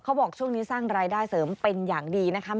บอกช่วงนี้สร้างรายได้เสริมเป็นอย่างดีนะคะ